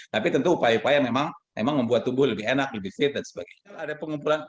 tapi tentu upaya upaya memang membuat tubuh lebih enak lebih fit dan sebagainya